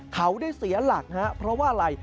เขาได้เสียหลักฮะเพราะว่าอะไร